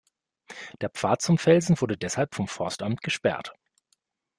Der Pfad zu den Felsen wurde deshalb vom Forstamt gesperrt.